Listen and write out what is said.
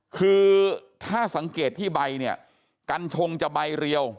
คือถ้าสังเกตที่ใบเนี่ยกัญชงจะใบเรียว